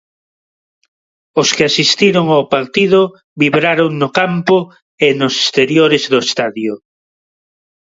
Os que asistiron ao partido vibraron no campo e nos exteriores do estadio.